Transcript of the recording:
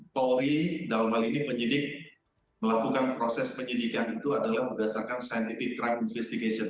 polri dalam hal ini penyidik melakukan proses penyidikan itu adalah berdasarkan scientific crime investigation